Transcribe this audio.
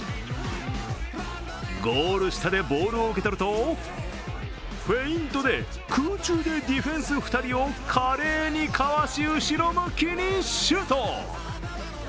ゴールしたでボールを受け取るとフェイントで空中でディフェンス２人を華麗にかわし、後ろ向きにシュート。